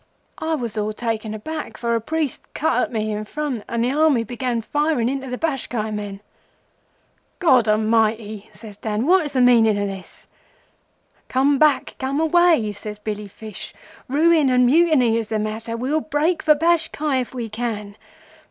I was all taken aback, for a priest cut at me in front, and the Army behind began firing into the Bashkai men. "'God A mighty!' says Dan. 'What is the meaning o' this?' "'Come back! Come away!' says Billy Fish. 'Ruin and Mutiny is the matter. We'll break for Bashkai if we can.